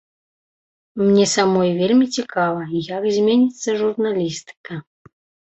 Мне самой вельмі цікава, як зменіцца журналістыка.